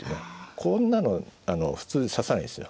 こんなの普通指さないですよ